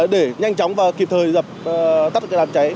để nhanh chóng và kịp thời tắt cái đàm cháy